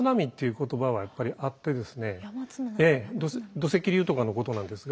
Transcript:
土石流とかのことなんですが。